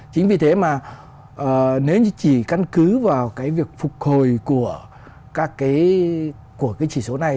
chính vì thế mà nếu như chỉ căn cứ vào việc phục hồi của các cái chỉ số này